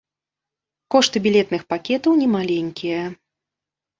Кошты білетных пакетаў немаленькія.